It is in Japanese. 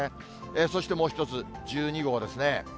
そしてもう一つ、１２号ですね。